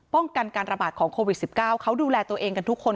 ป้องกันการระบาดของโควิด๑๙เขาดูแลตัวเองกันทุกคน